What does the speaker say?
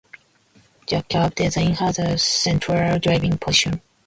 The cab design has a central driving position.